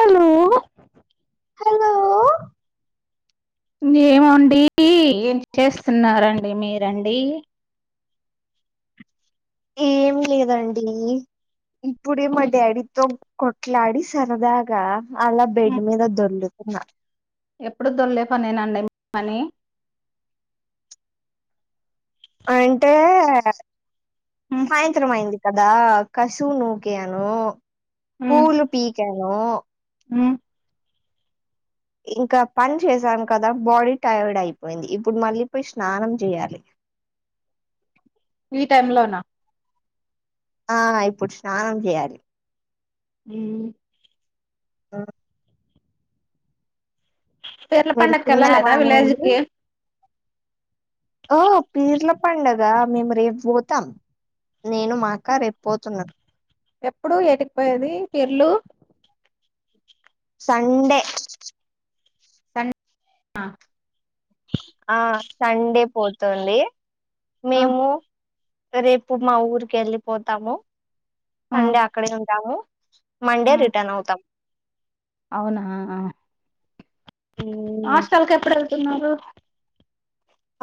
Hello hello ఏమండి ఏం చేస్తున్నారండి మీరండి ఏమి లేదండి ఇప్పుడే మా డాడితో కొట్లాడి సరదగా అలా బెడ్ మీద దొర్ల్లుతున్నా ఎప్పుడు దొల్లే పనేనా అండి మీ పని అంటే సాయంత్రం అయింది కదా కసుు నూక్యాను పూలు పికాను ఉ ఇంకా పని చేసాను కదా బాడీ టైర్డ్ అయిపోయింది ఇప్పుడు మళ్ళీ పోయి స్నానం జేయ్యాలి ఈ టైమ్ లోనా ఆ ఇప్పుడు స్నానం చేయాలి ఉ ఆ పిర్ల మీరు తిన్నారా పండగకెల్లలేదా అండి విలేజ్కి ఓ పీర్ల పండగ మేము రేపు పోతాం నేను మాకా రేపు పోతున్నా ఎప్పుడు ఎటికిపోయేది పిర్లు సండే సం ఆ ఆ సండే పోతుంది మేము రేపు మా ఊరికి వెళ్ళిపోతాము సండే అక్కడే ఉంటాము మండే రిటర్న్ అవుతాం అవునా మ్మ్. హాస్టల్కేప్పుడు ఏళ్తున్నారు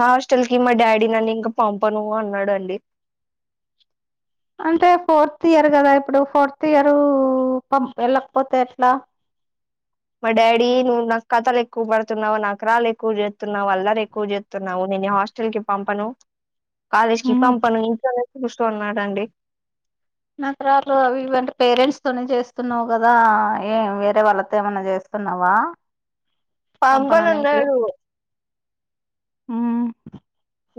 హాస్టల్ కి మా డాడీ నన్ను ఇంకా పంపను అన్నాడండి అంటే ఫోర్త్ ఇయర్ కదా ఇప్పుడు ఫోర్త్ ఇయర్ పం వెళ్ళకపోతే ఎట్లా మా డాడీ నువ్వు నక్ కథలు ఎక్కువ పడుతున్నావు నకరాలు ఎక్కువ చేస్తున్నావు అల్లరేక్కువ చే తున్నావ్ నేను హాస్టల్ కి పంపను కాలేజ్ కి పంపను ఇంట్లోనే కూసో అన్నాడండి నరకాలు అవి ఇవంటే పేరెంట్స్ తోని చేస్తున్నావు కదా ఏ వేరే వాళ్ళతో ఏమన్నా చేస్ తున్నావా పాంబనన్నాడు ఉ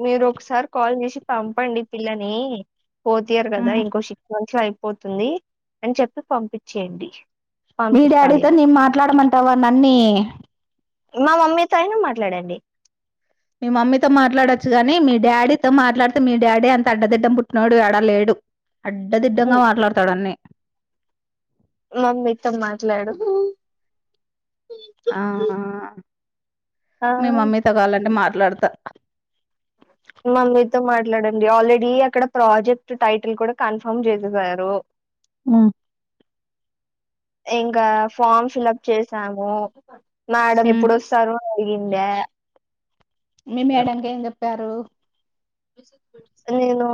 మీరు ఒకసారి కాల్ చేసి పంపండి పిల్లని ఫోర్త్ ఇయర్ కదా ఇంకో శి క్స్ అయిపోతుంది అని చెప్పి పంపించేయండి మీ పంపిస్తాడు డాడీతో నేన్ మాట్లాడమంటావా నన్నీ మా మమ్మీతో అయినా మాట్లాడండి మీ మమ్మీతో మాట్లాడొచ్చు గాని మీ డాడీతో మాట్లాడితే మీ డాడీ అంత అడ్డదిడ్డం పుట్టినోడు యాడ లేడు అడ్డదిడ్డంగా మాట్లాడతాడు అన్ని మా మమ్మీతో మాట్లాడు ఆ ఆ మీ మమ్మీతో కావలంటే మాట్లాడతా మమ్మీతో మాట్లాడండి ఆల్రెడీ అక్కడ ప్రాజెక్ట్ టైటిల్ కూడా కన్ఫర్మ్ చేసేసారు ఉ ఇంకా ఫామ్ ఫిల్ప్ చేసాము మేడం ఎప్పుడోస్తారు అని అడిగిందే మీ మేడంకేం చెప్పారు నేను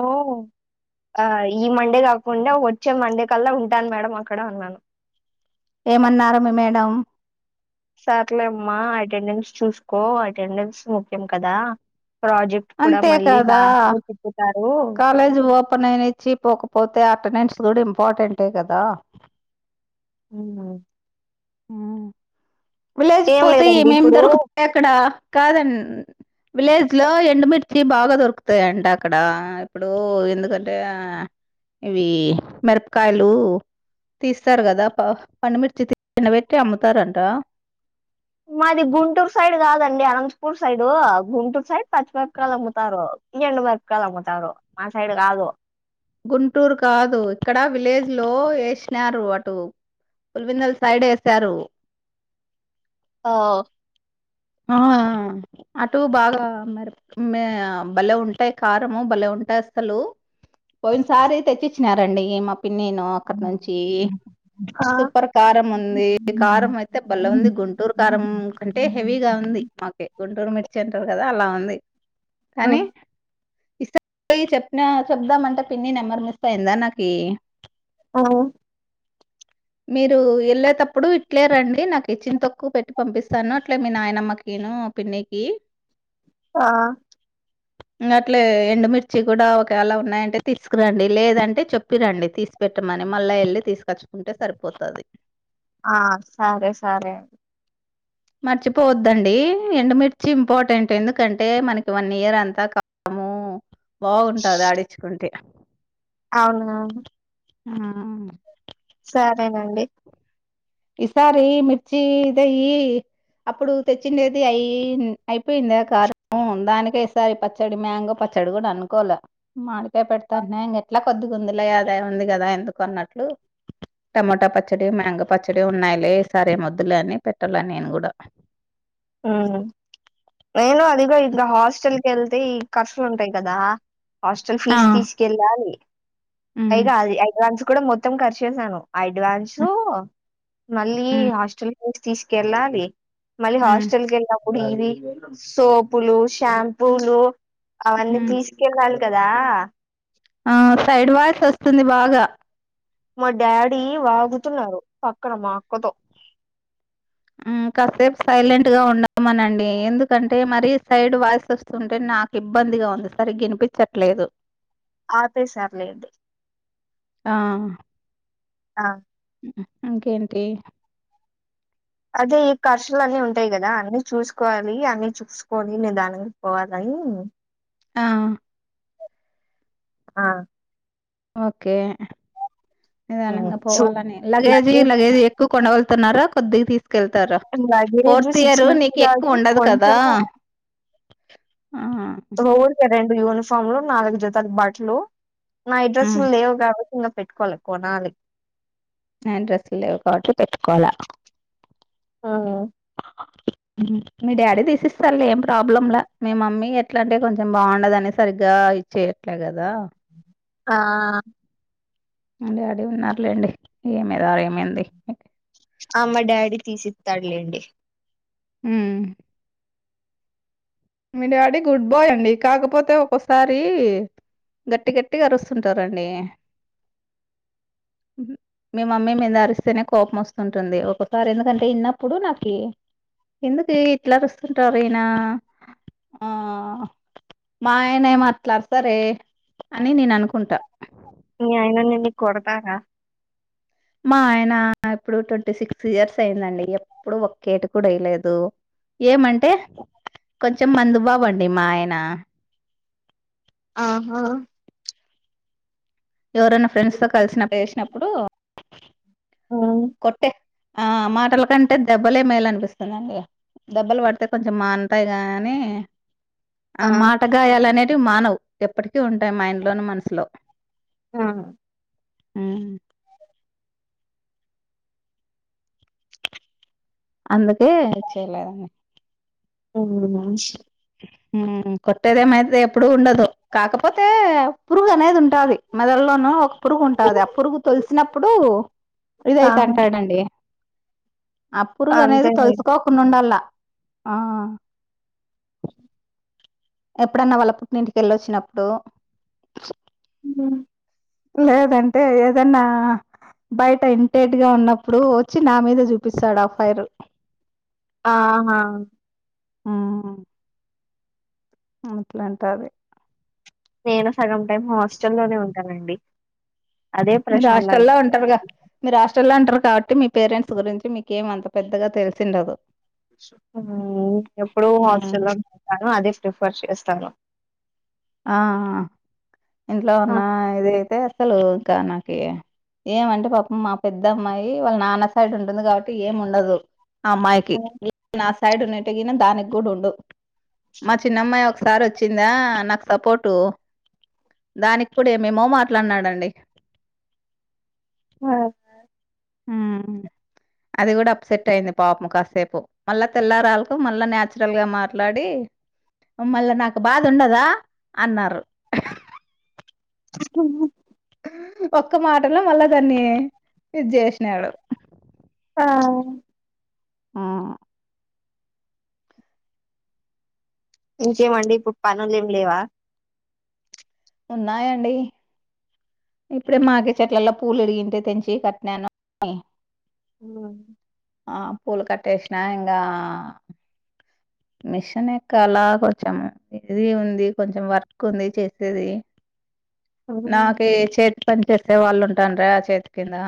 ఆ ఈ మండే కాకుండా వచ్చే మండే కల్లా ఉంటాను మేడం అక్కడ అన్నాను ఏమన్నారు మీ మేడం సార్లేమ్మా అటెండెన్స్ చూసుకో అటెండెన్స్ ముఖ్యం కదా ప్రాజె క్ట్ కూడా అంతే మళ్ళీ కదా లాస్ట్‌లో తిప్పుతారు కాలేజ్ పో నెనేచ్చి పోకపోతే అటెనేన్స్ కూడా ఇంపార్టెంటే కదా ఉమ్మ్ ఉమ్ విలేజ్‌కి ఏం పోతే లేదండి ఏమేమి ఇప్పుడు దొరుకు ఎక్కడ కాదం విలేజ్‌లో ఎ ఎండుమిర్చి బాగా దొరుకుతాయంట అక్కడ ఇప్పుడు ఎందుకంటే ఇవి మిరపకాయలు తీస్తారు కదా ప పండుమిర్చి తి [inaudible] నబెట్టి అమ్ముతారంట మాది గుంటూరు సైడ్ కాదండి అనంతపూర్ సైడు గుంటూరు సైడ్ పచ్చిమిరపకాయలు అమ్ముతారు ఎండు మిరపకాయలు అమ్ముతారు మా సైడ్ కాదు గుంటూరు కాదు ఇక్కడ విలేజ్‌లో ఎసినారు అటు పులివెందుల్ సైడ్ ఏశారు ఆ ఆ అటు బాగా మిర మే భలే ఉంటాయి కారము భలేె ఉంటాయి అస్సలు పోయిన సారి తెచ్చిచ్చినారండి మా పిన్నిను అక్కట్నుంచి ఆ సూపర్ కారం ఉంది కారం అయితే భలే ఉంది గుంటూరు కారం కంటే హెవీగా ఉంది మాకే గుంటూరు మిర్చి అంటారు కదా అలా ఉంది ఆ కానీ ఇసా [inaudible] చెప్న చెప్దామంటే పిన్ని నెంబర్ మిస్ అయిందా నాకి ఆ మీరు ఎళ్ళేతప్పుడు ఇట్లే రండి నాకి చింతొక్కు పెట్టి పంపిస్తాను అట్లే మీ నాయనమ్మకి ను పిన్నికి ఆ ఇంగట్లే ఎండుమిర్చి కూడా ఒకఎళా ఉన్నాయంటే తీసుకురండి లేదంటే చెప్పి రాండి తీసి పెట్టమని మళ్ళా ఎళ్ళి తీసుకొచ్చుకుంటే సరిపోతది ఆ సరే సరే మర్చిపోవద్దండి ఎండుమిర్చి ఇంపార్టెంట్ ఎందుకంటే మనకి వన్ ఇయర్ అంతా కాము బాగుంటది ఆడిచుకుంటే అవునా ఉమ్మ్ సరేనండి ఈసారి మిర్చి దేయి అప్పుడు తెచ్చిండేది అయి అయిపోయిందా కారము దానికే ఈసారి ప చ్చడి మ్యాంగో పచ్చడి కూడా అనుకోల మాడికాయ పెడతాన్టే ఇంగ ఎట్లా కొద్దిగుందిలే అదే ఉంది కదా ఎందుకు అన్నట్లు టమోటా పచ్చడి మ్యాంగో పచ్చడి ఉన్నాయిలే ఈ సారి ఏమొద్దులే అని పెట్టాల నేను కూడా ఉమ్మ్ నేను అడిగా ఇట్లా హాస్టల్‌కి ఎళ్తే ఈ ఖర్చులు ఉంటాయి కదా హాస్టల్ ఆ ఫీజు తీసుకెళ్ళాలి ఉమ్, పైగా అది అడ్వాన్స్ కూడా మొత్తం ఖర్చేశాను అడ్వాన్సు ఉమ్, మళ్ళీ ఉమ్, హాస్టల్ ఫీజు తీసుకెళ్ళాలి మళ్ళీ హాస్ ఉమ్, ల్‌కేళ్ళినప్పుడు ఇవి సోపులు షాంపూలు అవన్నీ ఉమ్. తీసు కెళ్లాలి కదా ఆ సైడ్ వాయిస్ వస్తుంది బాగా మా డాడీ వాగుతున్నారు పక్కన మా అక్కతో మ్ కాసేపు సైలెంట్గా ఉండమనండి ఎందుకంటే మరి సైడ్ వాయిస్ వస్ స్తుంటే నాకు ఇబ్బందిగా ఉంది సరిగ్గ గ ఇనిపించట్లేదు ఆపేసార్లేండి ఆ ఆ ఇకేంటి అదే ఈ ఖర్చులు అన్నీ ఉంటాయి కదా అన్ని చూసుకోవాలి అన్ని చూస్ స్కోని నీదానంగా పోవాలని ఆ ఆ ఓకే ఉమ్, నిదానంగా సో పోవాలనే లగేజీ లగేజ్ లగేజీ ఎ కు కొండ వెళ్తున్నారా కొద్దిగా తీస్కెళ్తారా luggage fourth six year months నీకు ఎక్కువ కాబట్టి ఉండదు కదా కొంచెమే ఆహా రెండు యూనిఫార్మ్లు నాలుగు జతలు బట్టలు నైట్ హ్మ్. డ్రెస్లు లేవు కా ఇంకా పెట్టుకోలే కొనాలి నైట్ డ్రెస్లు లేవు కాబట్టి పెట్టుకోలే ఆహా మీ డాడీ తీసి ఇస్తారులే ఏం ప్రాబ్లంలే మీ మమ్మీ ఎట్లా అంటే కొంచెం బావుండదని సరిగ్గా చెయట్లే కదా ఆ మా డాడీ ఉన్నారులేండి ఏమిదా ఏమైంది ఆ మా డాడీ తీసి ఇస్తాడులేండి హ్మ్ మీ డాడీ గుడ్ బాయ్ అండి కాకపోతే ఒకోసారి గట్టి గట్టిగ అరుస్తుంటారండి మీ మమ్మీ మీద అరిస్తేనే కోపం వస్తుంటుంది ఒకసారి ఎందుకంటే ఇన్నప్పుడు నాకి ఎందుకు ఇట్లా రస్తుంటారు ఈయనా ఆ మా ఆయనే అట్ల అరస్సరే అని నేను అనుకుంటా మీ ఆయన నిన్ను కొడతారా మా ఆయన ఇప్పుడు ట్వంటీ సిక్స్ ఇయర్స్ అయిందండి ఎప్పుడు ఒక్క ఏటు కూడా ఎయలేదు ఏమంటే కొంచెం మందు బాబు అండి మా ఆయన ఆహా ఎవరైనా ఫ్రెండ్స్తో కలిసినప్పుడు ఎసినప్పుడు ఆ కొట్టే ఆ మాటల కంటే దెబ్బలే మేలునిపిస్తుంది అండి దెబ్బలు పడతయ్ కొంచెం మాన్తాయ్ గాని ఆ మాటగాయాలనేటివి మానవ్ ఎప్పటికీ ఉంటాయి మైండ్లోని మనసులో ఆ హ్మ్ అందుకే చేయలేదని అవున మ్ కొట్టేదేమైతే ఎప్పుడు ఉండదు కాకపోతే పురుగు అనేది ఉంటాది మెదలోనూ ఒక పురుగు ఉంటాది ఆ పురుగు తొలిసినప్పుడు ఆ ఇదైతే అంటాడండి ఆ పురుగు అనేది అంతేనండి. తలుసుకో ండాల ఆ అ ఎప్పుడన్నా వాళ్ళ పుట్టినంటికెళ్ళొచ్చినప్పుడు ఉ లేదంటే ఏదన్నా బయట ఇంటేట్గా ఉన్నప్పుడు వచ్చి నా మీద చూపిస్తాడు ఆ ఫైర్ ఆహా ఆ ఇట్లాంటాది నేను సగం టైం హాస్టల్ లోనే ఉంటానండి అదే మీరు ప్రశాంతంగా హాస్టల్ల్లో ఉంటది. ఉంటారుగా మీరు ఆస్ట్రల్లో అంటారు కాబట్టి మీ పేరెంట్స్ గురించి మీకేం అంత పెద్దగా తెలిసిండదు నేను ఎప్పుడ ఉమ్. హాస్టల్ లో వెతాను అదే ప్రిఫర్ చేస్తాను ఆ ఆ ఆ ఇంట్లో ఆ ఉన్న ఇఅధ్యాయితే అసలు ఇంకా నాకి ఏమంటే పాపం మా పెద్ద అమ్మాయి వాళ్ళ నాన్న సైడ్ ఉంటుంది కాబట్టి ఏం ఉండదు అమ్మాయికి ఆ నా సైడ్ ఉన్నటిగిన దానికి కూడా ఉండు మా చిన్నమ్మాయి ఒకసారి ఆచ్చిందా నాకు సపోర్టు దాని కూడా ఏమోయేమో మాట్లాడినాడండి ఆ అది కూడా అప్సెట్ అయింది పాపము కాసేపు మళ్ళా తెల్లారళ్కు మళ్ళా నాచురల్ గా మాట్లాడి మళ్ళా నాకు బాధ ఉండదా అన్నారు ఉహు ఒక్క మాటలో మళ్ళా దాన్ని ఇది చేసినాడు ఆ ఆ ఇంకేమండి ఇప్పుడు పనులు ఏం లేవా ఉన్నాయండి ఇప్పుడే మాకే చెట్లల్లో పూలు ఇరిగింటే తెంచి కట్నాను ఉ ఆ పూలు కట్టేసిన ఇంకా మిషన్ ఎక్కలా కోచ్చాము ఇది ఉంది కొంచెం వర్క్ ఉంది చేసేది నాకే చెట్ పని చేస్తే వాళ్ళు ఉంటాన్ రా చేతి కింద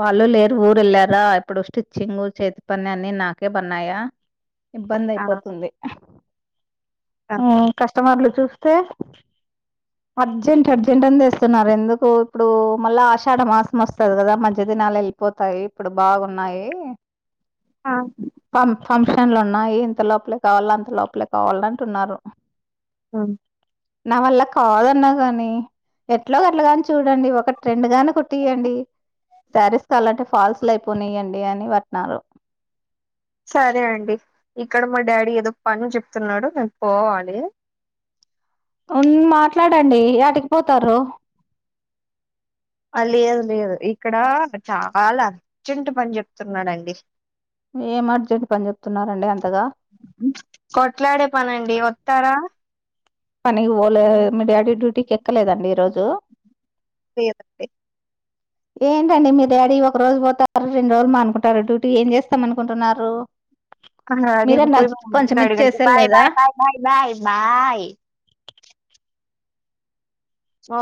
వాళ్ళు లేరు ఊరు ఎళ్ళారా ఇప్పుడు స్టిచ్చింగ్ చేతి పని అన్నిీ నాకే పన్నాయా ఆ ఆ కస్టమర్లు చూస్తే అర్జెంట్ అర్జెంట్ అనిేస్తున్నారు ఎందుకు ఇప్పుడు మళ్ళా ఆషాఢ మాసం వస్తుంది కదా మధ్య తినాలెళ్ పోతాయి ఇప్పుడు బాగున్నాయి ఆ ఫామ్ ఫంక్షన్లు ఉన్నాయి ఇంత లోపలే కావాల అంత లోపలే కావాల అంటున్నారు అవును నా వల్ల కాదన్నా గాని ఎట్ల గట్లాగాని చూడండి ఒక ట్రెండ్ గాని కొటీయధయడి శారీస్ కాాలంటే ఫాల్సెఎకువృనాయంండి అని పట్నన్నారు సరే అండి ఇక్కడ మా డాడీ ఏదో పని చెప్తున్నాడు నేను పోవాలి హ్మ్ మాట్లాడండి ఏటికిపోతారు లేదు లేదు ఇక్కడ చాలా అర్జెంట్ పని చెప్తున్నాడండి ఏమర్జెంట్ పని చెప్తున్నారండి అంతగా కొట్లాడే పనండి వస్తారా పనికి పోలే మీ డాడీ డ్యూటీకి ఎక్కలేదండి ఈ రోజు [unintelligible] ఏంటండి మీ డాడీ ఒక రోజు పోతారు రెండు రోజులు మానుకుంటారు డ్యూటీ ఏం చేస్తాం అనుకుంటున్నారు మీరే నాకు కొంచెం [unintelligible] బాయ్ ఇచ్చేసేలేదా bye bye bye bye bye మా